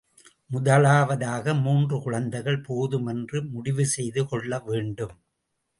முதலாவதாக மூன்று குழந்தைகள் போதும் என்று முடிவு செய்து கொள்ள வேண்டும்.